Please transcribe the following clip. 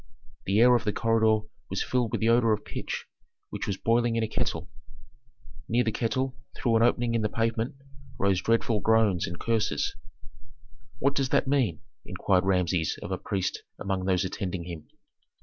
The air of the corridor was filled with the odor of pitch which was boiling in a kettle. Near the kettle, through an opening in the pavement, rose dreadful groans and curses. "What does that mean?" inquired Rameses of a priest among those attending him.